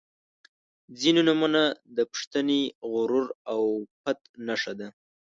• ځینې نومونه د پښتني غرور او پت نښه ده.